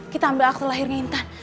kita ambil akte kelahiran intan